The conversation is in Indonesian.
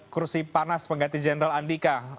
kursi panas pengganti jenderal andika